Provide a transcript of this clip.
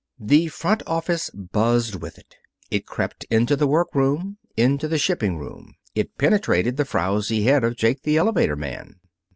The front office buzzed with it. It crept into the workroom into the shipping room. It penetrated the frowsy head of Jake, the elevator man.